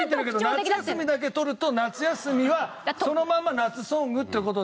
「夏休み」だけ取ると夏休みはそのまま夏ソングという事で。